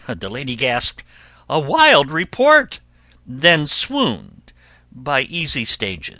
The lady gasped, "A wild report!" Then swooned by easy stages.